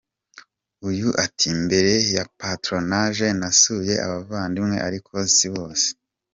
Uyu ati: “ mbere ya patronage nasuye abavandimwe, ariko si bose.